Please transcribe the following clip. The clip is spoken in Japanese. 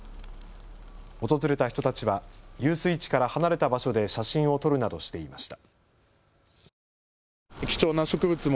訪れた人たちは遊水地から離れた場所で写真を撮るなどしていました。